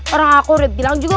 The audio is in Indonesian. orang aku rid bilang juga